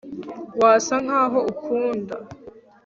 wasa nkaho ukunda